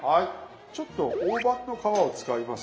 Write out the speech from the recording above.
ちょっと大判の皮を使います。